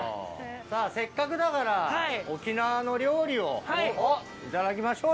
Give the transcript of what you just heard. せっかくだから沖縄の料理をいただきましょうよ。